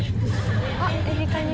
あっ『エビカニ』。